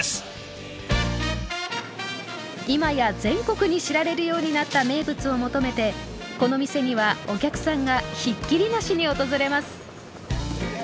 今や全国に知られるようになった名物を求めてこの店にはお客さんがひっきりなしに訪れます。